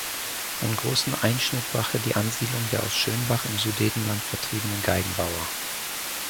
Einen großen Einschnitt brachte die Ansiedlung der aus Schönbach im Sudetenland vertriebenen Geigenbauer.